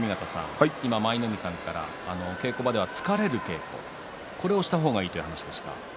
舞の海さんから稽古場では疲れる稽古をした方がいいとおっしゃっていました。